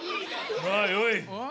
まあよい。